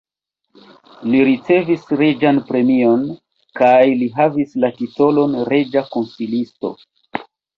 Li ricevis reĝan premion kaj li havis la titolon reĝa konsilisto.